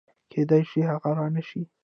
کېدای شي هغه رانشي